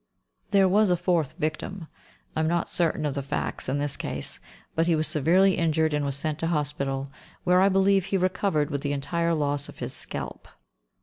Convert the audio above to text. There was a fourth victim. I am not certain of the facts in that case, but he was severely injured and was sent to hospital, where, I believe, he recovered with the entire loss of his scalp.